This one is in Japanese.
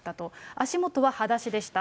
足元ははだしでした。